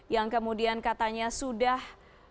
yang kemudian katanya sudah